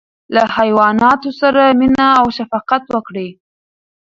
له حیواناتو سره مینه او شفقت وکړئ.